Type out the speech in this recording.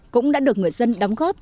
cũng đã được người dân đóng góp